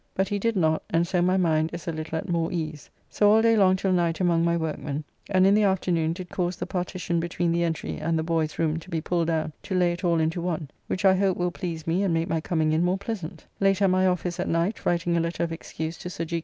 But he did not, and so my mind is a little at more ease. So all day long till night among my workmen, and in the afternoon did cause the partition between the entry and the boy's room to be pulled down to lay it all into one, which I hope will please me and make my coming in more pleasant. Late at my office at night writing a letter of excuse to Sir G.